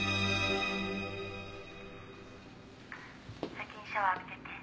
「先にシャワー浴びてて」